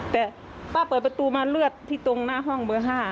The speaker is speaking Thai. แต่ป้าเปิดประตูมาเลือดที่ตรงหน้าห้องเบอร์๕